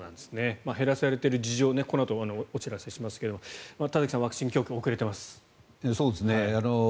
減らされている事情をこのあとお知らせしますけど田崎さん、ワクチン供給が遅れています。